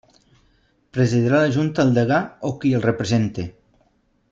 Presidirà la Junta el degà o qui el represente.